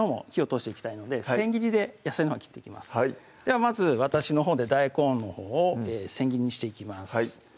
まず私のほうで大根のほうをせん切りにしていきます